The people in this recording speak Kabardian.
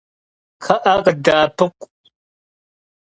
Kxhı'e, khıdde'epıkhu!